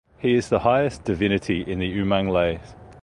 He is the highest divinity in the Umang Lais.